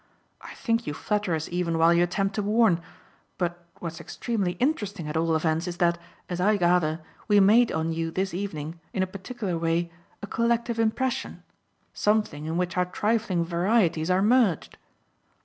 I think you flatter us even while you attempt to warn; but what's extremely interesting at all events is that, as I gather, we made on you this evening, in a particular way, a collective impression something in which our trifling varieties are merged."